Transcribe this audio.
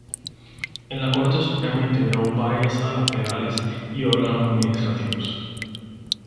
En la Corte Suprema integró varias salas penales y órganos administrativos.